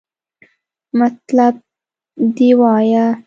مطلب دې وایا!